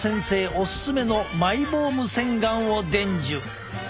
オススメのマイボーム洗顔を伝授！